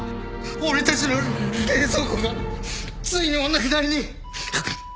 俺たちの冷蔵庫がついにお亡くなりに。